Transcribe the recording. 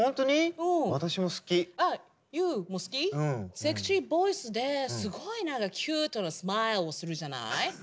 セクシーボイスですごいキュートなスマイルするじゃない？